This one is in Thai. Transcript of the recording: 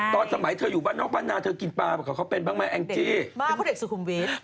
ตอนสมัยเธออยู่บ้านนอกบ้านหน้าเธอกินปลาเหมือนเขาเป็นบ้างไหมแองจี้